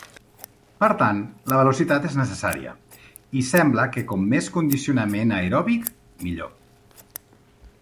Per tant, la velocitat és necessària, i sembla que com més condicionament aeròbic, millor.